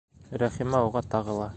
Рәхимә уға тағы ла: